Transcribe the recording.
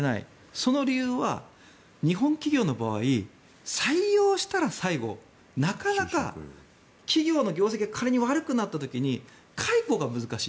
その理由は日本企業の場合採用したら最後なかなか企業の業績が仮に悪くなった時に解雇が難しい。